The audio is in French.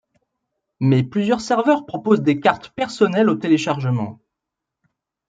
Mais plusieurs serveurs proposent des cartes personnelles au téléchargement.